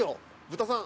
豚さん。